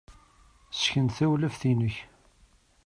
Ssken-d tawlaft-nnek.